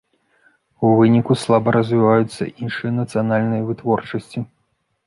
У выніку слаба развіваюцца іншыя нацыянальныя вытворчасці.